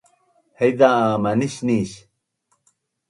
haiza a manisnis